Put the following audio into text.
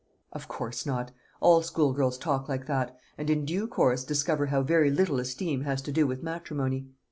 "Of course not. All schoolgirls talk like that; and in due course discover how very little esteem has to do with matrimony.